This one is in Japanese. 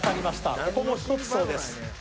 ここも１つそうです。